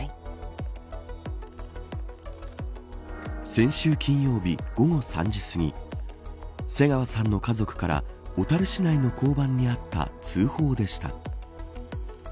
先週金曜日午後３時すぎ瀬川さんの家族から小樽市内の交番にあった通報でした。